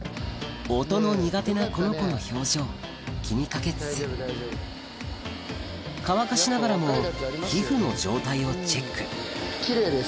音の苦手なこの子の表情を気に掛けつつ乾かしながらも皮膚の状態をチェック奇麗です